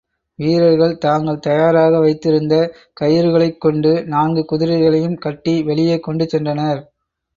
வீரர்கள், தாங்கள் தயாராக வைத்திருந்த கயிறுகளைக் கொண்டு, நான்கு குதிரைகளையும் கட்டி வெளியே கொண்டுசென்றனர்.